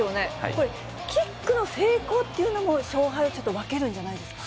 これ、キックの成功っていうのも、勝敗をちょっと分けるんじゃないんですか？